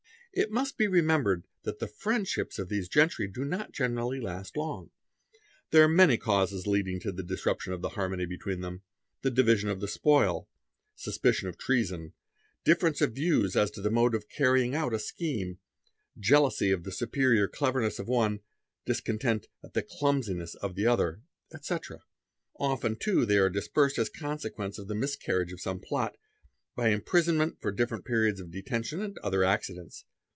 It must be remembered that the "friendships"' of these gentry do D ot generally last long. 'There are many causes leading to the disruption of harmony between them—the division of the spoil, suspicion of treason, difference of views as to the mode of carrying out a scheme, jealousy of the superior cleverness of one, discontent at the clumsiness of he other, etc. Often too they are dispersed as a consequence of the biscarriage of some plot, by imprisonment for different periods of etention, and other accidents.